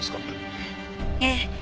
ええ。